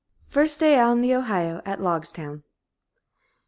First day on the Ohio At Logstown.